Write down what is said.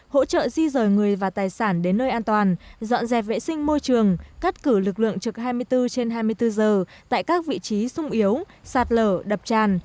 hỗ trợ di rời người và tài sản đến nơi an toàn dọn dẹp vệ sinh môi trường cắt cử lực lượng trực hai mươi bốn trên hai mươi bốn giờ tại các vị trí sung yếu sạt lở đập tràn